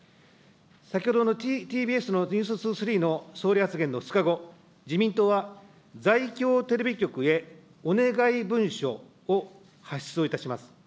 先ほどのＴＢＳのＮｅｗｓ２３の総理発言の２日後、自民党は在京テレビ局へお願い文書を発出をいたします。